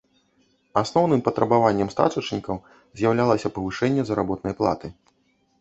Асноўным патрабаваннем стачачнікаў з'яўлялася павышэнне заработнай платы.